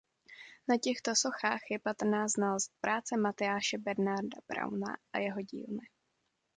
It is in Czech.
Na těchto sochách je patrná znalost práce Matyáše Bernarda Brauna a jeho dílny.